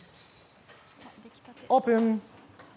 オープン。